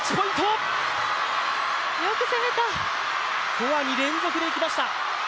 フォアに連続でいきました。